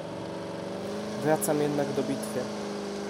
"Wracam jednak do bitwy."